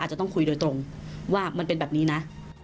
จะต้องคุยโดยตรงว่ามันเป็นแบบนี้นะ